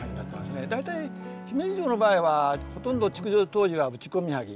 大体姫路城の場合はほとんど築城当時は打ち込みはぎ。